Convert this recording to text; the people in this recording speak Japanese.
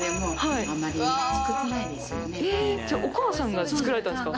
お母さんが作られたんですか？